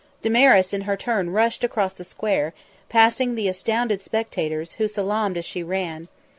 Damaris in her turn rushed, across the square, passing the astounded spectators, who salaamed as she ran.